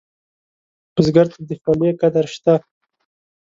بزګر ته د خولې قدر شته